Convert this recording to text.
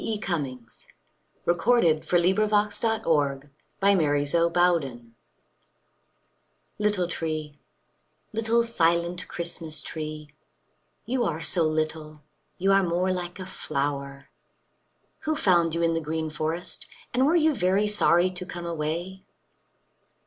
e. cummings little tree by: e.e. cummings (1894 1962) ITTLE tree little silent Christmas tree you are so little you are more like a flower who found you in the green forest and were you very sorry to come away?